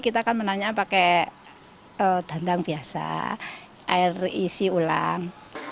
kita kan menanya pakai dandang biasa air isi ulang